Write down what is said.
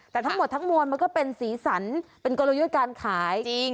แต่ทั้งหมดทั้งมวลมันก็เป็นสีสันเป็นกลยุทธ์การขายจริง